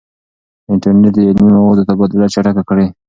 انټرنیټ د علمي موادو تبادله چټکه کړې ده.